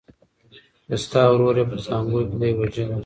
چي ستا ورور یې په زانګو کي دی وژلی